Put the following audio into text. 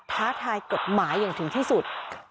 ท้าทายกฎหมายอย่างถึงที่สุด